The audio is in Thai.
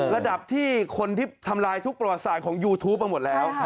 ระดับที่คนที่ทำลายทุกประวัติศาสตร์ของยูทูปมาหมดแล้ว